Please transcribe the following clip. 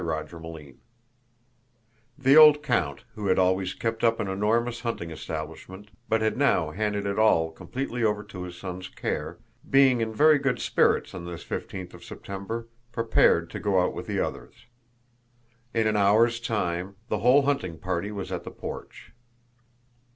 CHAPTER IV The old count, who had always kept up an enormous hunting establishment but had now handed it all completely over to his son's care, being in very good spirits on this fifteenth of September, prepared to go out with the others. In an hour's time the whole hunting party was at the porch.